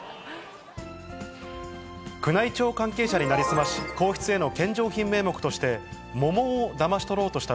宮内庁関係者に成り済まし、皇室への献上品名目として、桃をだまし取ろうとした